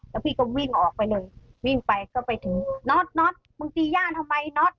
แล้วพี่ก็วิ่งออกไปเลยวิ่งไปก็ไปถึงน็อตน็อตมึงตีย่านทำไมน็อต